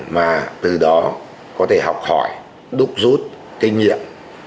mà từ đó có thể học hỏi đúc rút kinh nghiệm